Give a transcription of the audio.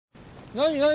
何？